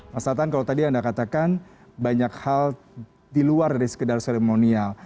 mas tatan kalau tadi anda katakan banyak hal di luar dari sekedar seremonial